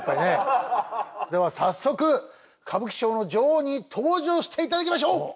では早速歌舞伎町の女王に登場して頂きましょう！